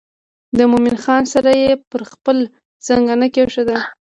د مومن خان سر یې پر خپل زنګانه کېښود.